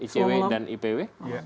bapak bapak selamat malam ipw